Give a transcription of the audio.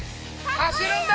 走るんだ！